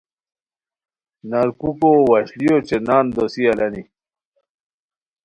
نرکوکو وشلی اوچے نان دوسی الانی